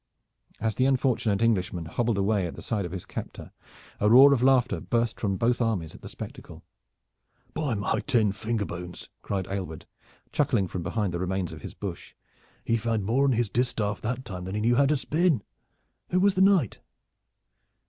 As the unfortunate Englishman hobbled away at the side of his captor a roar of laughter burst from both armies at the spectacle. "By my ten finger bones!" cried Aylward, chuckling behind the remains of his bush, "he found more on his distaff that time than he knew how to spin. Who was the knight?"